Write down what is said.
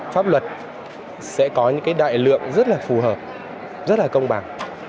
thực sự sẽ có những cái đại lượng rất là phù hợp rất là công bằng